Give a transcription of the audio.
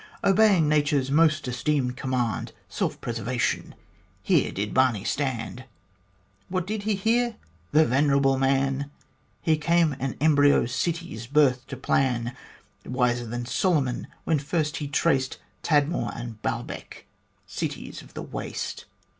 Obeying Nature's most esteemed command Self preservation here did Barney stand. What did he there ? The venerable man ! He came an embryo city's birth to plan ; Wiser than Solomon, when first he traced Tadmor and Balbec, cities of the waste.